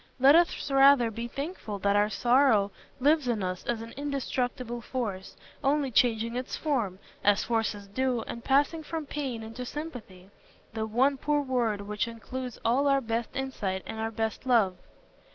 Let us rather be thankful that our sorrow lives in us as an indestructible force, only changing its form, as forces do, and passing from pain into sympathy—the one poor word which includes all our best insight and our best love.